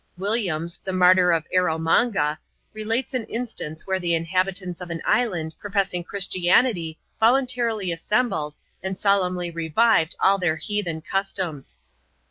Williams, the martyr of Erromanga, relates an instance where the inhabitants of an island professing Christianity voluntarily assembled, and solenmly revived all their heathen customs.